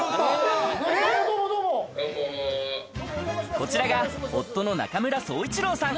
こちらが夫の中村創一郎さん。